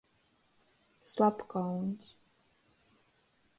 Slapkauņs.